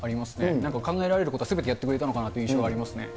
なんか考えられることはすべてやってくれたのかなという印象はありますね。